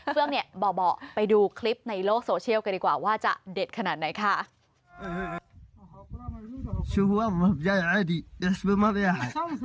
เครื่องเนี่ยเบาะไปดูคลิปในโลกโซเชียลกันดีกว่าว่าจะเด็ดขนาดไหนค่ะ